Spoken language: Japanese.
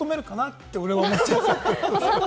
って、俺は思っちゃう。